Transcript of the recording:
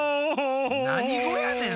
なにごやねん？